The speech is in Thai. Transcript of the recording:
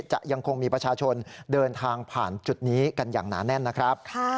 ยังคงมีประชาชนเดินทางผ่านจุดนี้กันอย่างหนาแน่นนะครับ